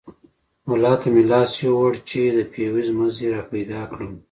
ملا ته مې لاس يووړ چې د فيوز مزي راپيدا کړم.